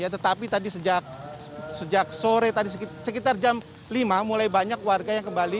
tetapi tadi sejak sore tadi sekitar jam lima mulai banyak warga yang kembali